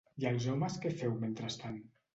I els homes què feu, mentrestant?